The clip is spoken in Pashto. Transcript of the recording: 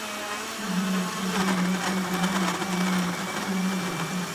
د هر انسان ځيني عادتونه د نورو انسانانو د خوښی لامل ګرځي.